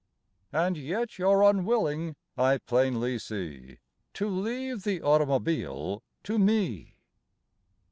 (And yet you're unwilling, I plainly see, To leave the automobile to me.)